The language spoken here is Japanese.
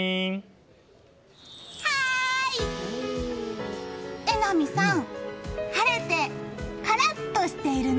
はーい！榎並さん晴れてカラッとしているね。